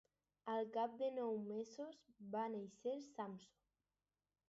Al cap de nou mesos va néixer Samsó.